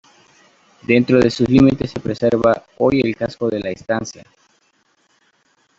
Dentro de sus límites se preserva hoy el casco de la estancia.